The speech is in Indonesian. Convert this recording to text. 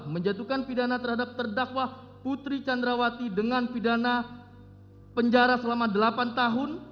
menjatuhkan pidana terhadap terdakwa putri candrawati dengan pidana penjara selama delapan tahun